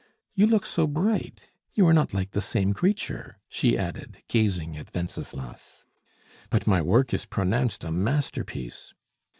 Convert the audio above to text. You look so bright, you are not like the same creature," she added, gazing at Wenceslas. "But my work is pronounced a masterpiece."